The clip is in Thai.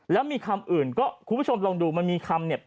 แล้วมีคำอื่นก็คุณผู้ชมลองดูมันมีคำเนี่ย